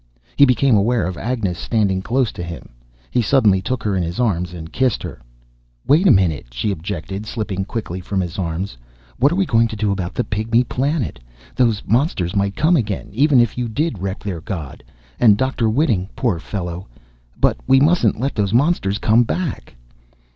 He became aware of Agnes standing close against him. He suddenly took her in his arms and kissed her. "Wait a minute," she objected, slipping quickly from his arms. "What are we going to do about the Pygmy Planet? Those monsters might come again, even if you did wreck their god. And Dr. Whiting, poor fellow But we mustn't let those monsters come back!"